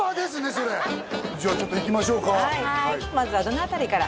それじゃあちょっといきましょうかはいまずはどの辺りから？